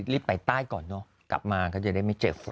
รีบไปใต้ก่อนเนอะกลับมาก็จะได้ไม่เจอฝน